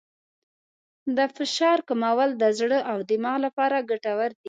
د فشار کمول د زړه او دماغ لپاره ګټور دي.